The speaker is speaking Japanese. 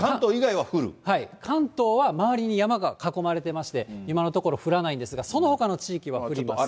はい、関東は周りに山が囲まれていまして、今のところ降らないんですが、そのほかの地域は降ります。